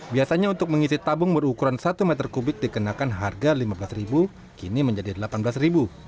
biasanya untuk mengisi tabung berukuran satu meter kubik dikenakan harga rp lima belas kini menjadi rp delapan belas